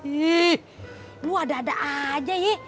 ih lu ada ada aja ye